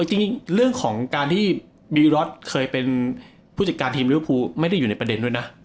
จริงเรื่องของการที่บีรอสเคยเป็นผู้จัดการทีมลิเวอร์ภูไม่ได้อยู่ในประเด็นด้วยนะ